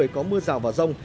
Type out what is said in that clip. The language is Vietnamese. có mưa rào và rông